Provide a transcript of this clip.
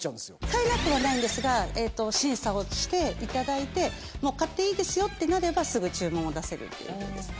買えなくはないんですが審査をして頂いて買っていいですよってなればすぐ注文を出せるっていうふうですね。